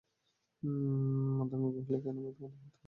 মাতঙ্গ কহিল, কেন ভাই, তোমার এত মাথাব্যথা কেন?